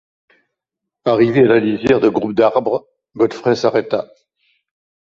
Arrivé à la lisière du groupe d’arbres, Godfrey s’arrêta.